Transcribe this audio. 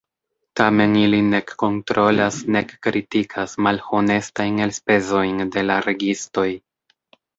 Tamen ili nek kontrolas nek kritikas malhonestajn elspezojn de la registoj.